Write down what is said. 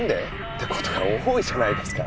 ってことが多いじゃないですか